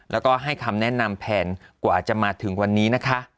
แล้วก็ให้คำแนะนำแผนกว่าจะมาถึงวันนี้นะคะ